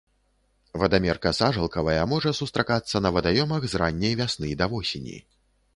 Вадамерка сажалкавая можа сустракацца на вадаёмах з ранняй вясны да восені.